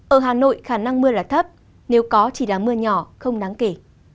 ở hà nội khả năng mưa là thấp nếu có chỉ là mưa nhỏ không đáng kể